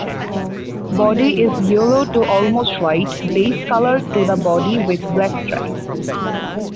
Body is yellow to almost white base colour to the body with black stripes.